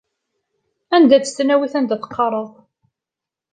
Anda-tt tesnawit aydeg teqqareḍ?